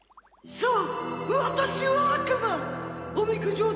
そう！